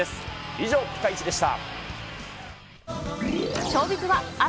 以上、ピカイチでした。